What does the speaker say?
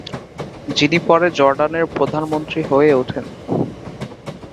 যিনি পরে জর্ডানের প্রধানমন্ত্রী হয়ে ওঠেন।